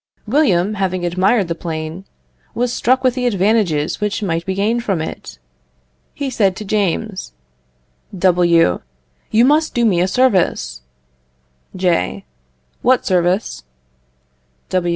William having admired the plane, was struck with the advantages which might be gained from it. He said to James: W. You must do me a service. J. What service?